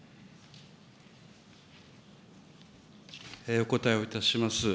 お答えをいたします。